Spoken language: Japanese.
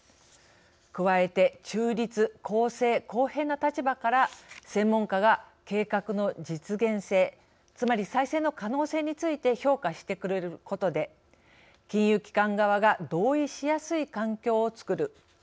加えて中立・公正・公平な立場から専門家が計画の実現性つまり再生の可能性について評価してくれることで金融機関側が同意しやすい環境をつくる。